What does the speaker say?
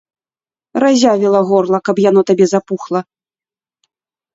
Разявіла горла, каб яно табе запухла!